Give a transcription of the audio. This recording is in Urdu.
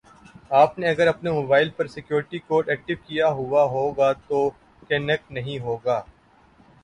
آپ نے اگر اپنے موبائل پر سیکیوریٹی کوڈ ایکٹیو کیا ہوا ہوگا تو کنیکٹ نہیں ہوگا